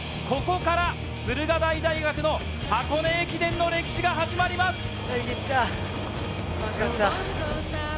ここから駿河台大学の箱根駅伝の歴史が始まります。